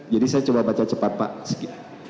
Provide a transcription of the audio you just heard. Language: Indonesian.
jadi saya coba baca cepat pak